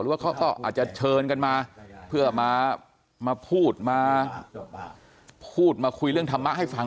ว่าเขาก็อาจจะเชิญกันมาเพื่อมาพูดมาพูดมาคุยเรื่องธรรมะให้ฟัง